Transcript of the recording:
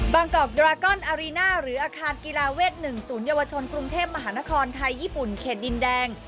กอกดรากอนอารีน่าหรืออาคารกีฬาเวท๑๐เยาวชนกรุงเทพมหานครไทยญี่ปุ่นเขตดินแดง